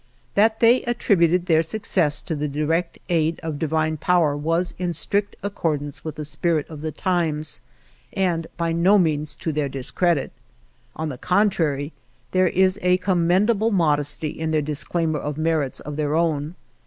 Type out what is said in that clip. That they attributed their success to the di rect aid of divine power was in strict accord ance with the spirit of the times and by no means to their discredit. On the contrary, there is a commendable modesty in their dis claimer of merits of their own.